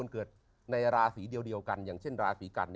ขอบคุณค่ะ